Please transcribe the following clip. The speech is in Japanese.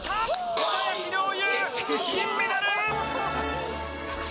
小林陵侑、金メダル。